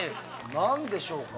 何でしょうか？